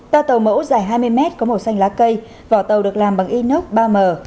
toa tàu mẫu dài hai mươi mét có màu xanh lá cây vỏ tàu được làm bằng inox ba m